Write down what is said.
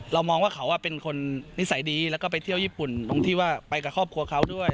เรามองว่าเขาเป็นคนนิสัยดีแล้วก็ไปเที่ยวญี่ปุ่นตรงที่ว่าไปกับครอบครัวเขาด้วย